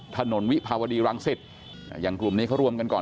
วิภาวดีรังสิตอย่างกลุ่มนี้เขารวมกันก่อน